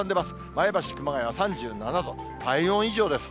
前橋、熊谷は３７度、体温以上です。